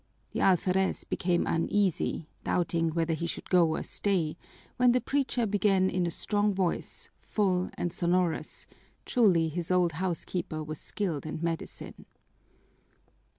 The alferez became uneasy, doubting whether he should go or stay, when the preacher began in a strong voice, full and sonorous; truly his old housekeeper was skilled in medicine.